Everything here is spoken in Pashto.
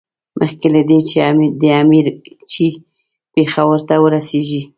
مخکې له دې چې د امیر ایلچي پېښور ته ورسېږي.